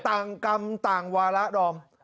ต่างกรรมต่างวาระดอม